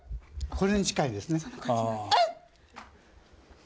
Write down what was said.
これに近いですね。